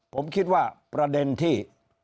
ผมคิดว่าประเด็นที่